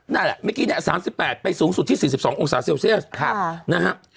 นั่นแหละเมื่อกี้เนี่ย๓๘ไปสูงสุดที่๔๒องศาเซลเซียสนะครับ